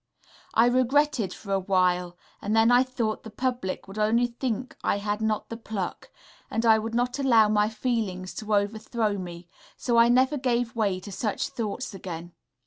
I regretted for a while, and then I thought the public would only think I had not the pluck, and I would not allow my feelings to overthrow me, so I never gave way to such thoughts again.